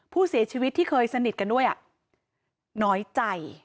ผู้เสียชีวิตที่เคยสนิทกันด้วยน้อยใจ